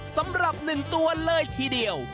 สำหรับ๑ตัวเลยทีเดียว